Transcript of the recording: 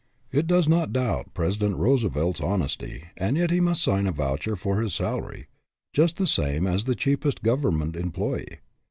It does not doubt President Roosevelt's honesty, and yet he must sign a voucher for his salary, just the same as the cheapest government employee.